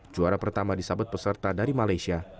juara pertama disabet peserta dari malaysia